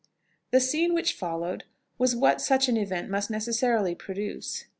The scene which followed was what such an event must necessarily produce.